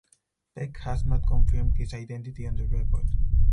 Peck has not confirmed his identity on the record.